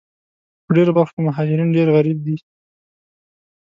په ډېرو برخو کې مهاجرین ډېر غریب دي